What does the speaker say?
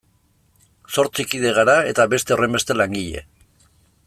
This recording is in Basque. Zortzi kide gara eta beste horrenbeste langile.